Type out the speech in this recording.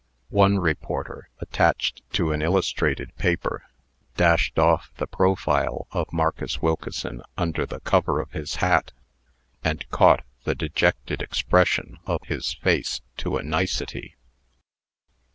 One reporter, attached to an illustrated paper, dashed off the profile of Marcus Wilkeson, under the cover of his hat, and caught the dejected expression of his face to a nicety.